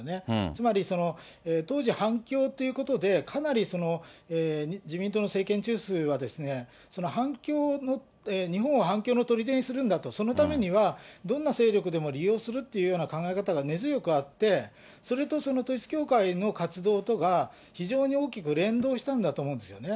つまり当時、反共ということで、かなり自民党の政権中枢は、反共、日本を反共のとりでにするんだと、そのためには、どんな勢力でも利用するっていうような考え方が根強くあって、それとその統一教会の活動とが、非常に大きく連動したと思うんですよね。